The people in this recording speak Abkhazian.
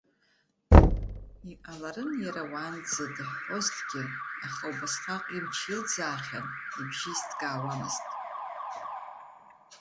Иҟаларын иара уаанӡа дыҳәҳәозҭгьы, аха убасҟак имч илӡаахьан, ибжьы изҭкаауамызт.